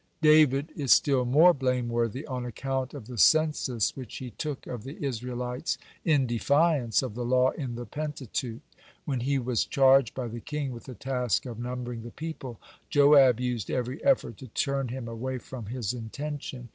(118) David is still more blameworthy on account of the census which he took of the Israelites in defiance of the law in the Pentateuch. When he was charged by the king with the task of numbering the people, Joab used every effort to turn him away from his intention.